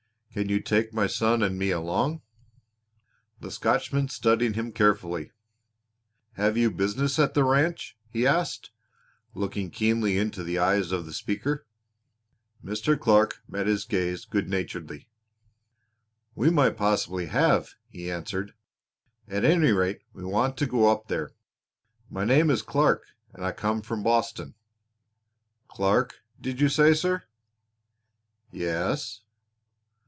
"Can you take my son and me along?" The Scotchman studied him carefully. "Have you business at the ranch?" he asked, looking keenly into the eyes of the speaker. Mr. Clark met his gaze good naturedly. "We might possibly have," he answered. "At any rate we want to go up there. My name is Clark and I come from Boston." "Clark, did you say, sir?" "Yes."